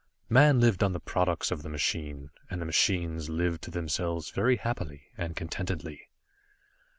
Man lived on the products of the machine, and the machines lived to themselves very happily, and contentedly.